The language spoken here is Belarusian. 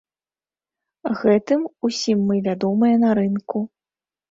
Гэтым усім мы вядомыя на рынку.